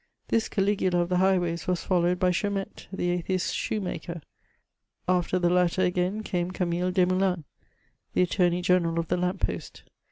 This Cali gula of the highways was followed by Chaumette, the atheist shoemaker. After the latter again came Camille Desmoulins, the attorney general of the lamp post.